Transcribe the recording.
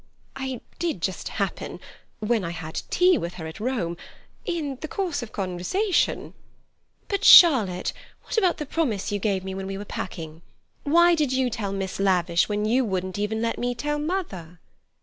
"I did just happen—when I had tea with her at Rome—in the course of conversation—" "But Charlotte—what about the promise you gave me when we were packing? Why did you tell Miss Lavish, when you wouldn't even let me tell mother?"